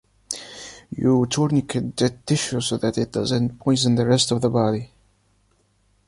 You tourniquet dead tissue so that it doesn’t poison the rest of the body.